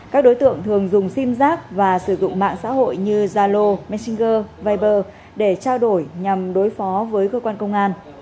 các đối tượng thường dùng sim giác và sử dụng mạng xã hội như zalo messenger viber để trao đổi nhằm đối phó với cơ quan công an